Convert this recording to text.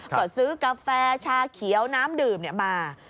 ก็ซื้อกาแฟชาเขียวน้ำดื่มมา